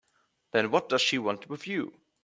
Then what does she want with you?